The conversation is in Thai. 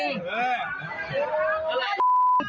ตรงจริงก็เปล่า